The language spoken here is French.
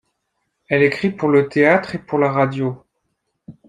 Elle écrit pour le théâtre et pour la radio.